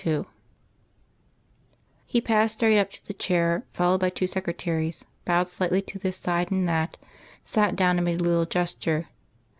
II He passed straight up to the chair, followed by two secretaries, bowed slightly to this side and that, sat down and made a little gesture.